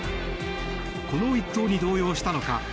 この一投に動揺したのか